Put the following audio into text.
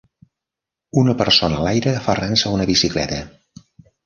Una persona a l'aire aferrant-se a una bicicleta.